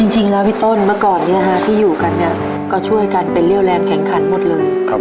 จริงแล้วพี่ต้นเมื่อก่อนที่อยู่กันก็ช่วยกันเป็นเรี่ยวแรงแข็งขันหมดเลย